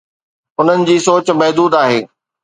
انهن جي سوچ محدود آهي.